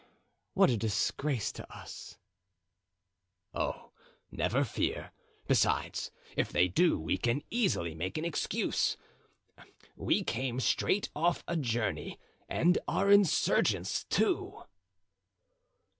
What a disgrace to us." "Oh, never fear! besides, if they do, we can easily make an excuse; we came straight off a journey and are insurgents, too."